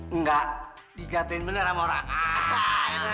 enggak digatuin bener sama orang lainnya